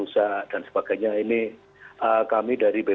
bahwa setidaknya han camping diansen